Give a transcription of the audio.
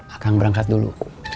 akang berangkat dulu